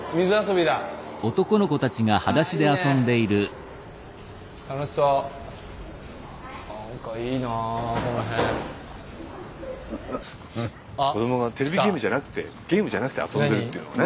なんかスタジオ子どもがテレビゲームじゃなくてゲームじゃなくて遊んでるっていうのがね。